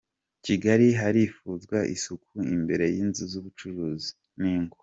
Kigali Harifuzwa isuku imbere y’inzu z’ubucuruzi n’ingo